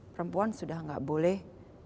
perempuan sudah gak boleh